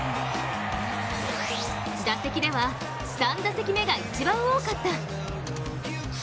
打席では、３打席目が一番多かった。